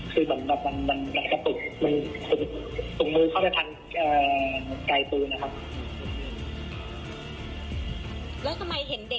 คือมันนานมันมันมันปุ้กมือเข้าไปทันอ่าไกลปืนนะครับ